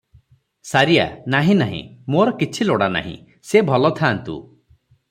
ସାରିଆ - ନାହିଁ ନାହିଁ, ମୋର କିଛି ଲୋଡ଼ା ନାହିଁ, ସେ ଭଲ ଥାଆନ୍ତୁ ।